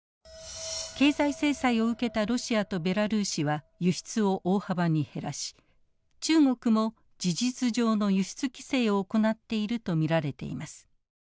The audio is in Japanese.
経済制裁を受けたロシアとベラルーシは輸出を大幅に減らし中国も事実上の輸出規制を行っていると見られています。